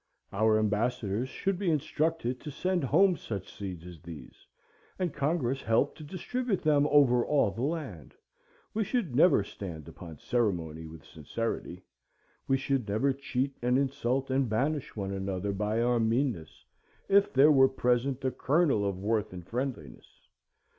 Our ambassadors should be instructed to send home such seeds as these, and Congress help to distribute them over all the land. We should never stand upon ceremony with sincerity. We should never cheat and insult and banish one another by our meanness, if there were present the kernel of worth and friendliness.